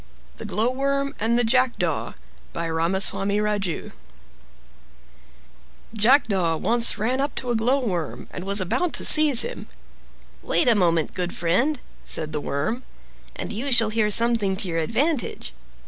THE GLOWWORM AND THE JACKDAW By Ramaswami Raju Jackdaw once ran up to a Glowworm and was about to seize him. "Wait a moment, good friend," said the Worm, "and you shall hear something to your advantage."